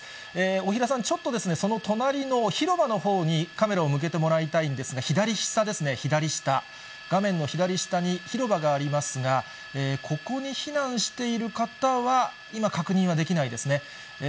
大平さん、ちょっとその隣の広場のほうにカメラを向けてもらいたいんですが、左下ですね、左下、画面の左下に広場がありますが、ここに避難している方は、今、確認はできないですね。